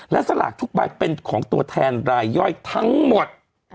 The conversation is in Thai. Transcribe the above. และสลากทุกใบเป็นของตัวแทนรายย่อยทั้งหมด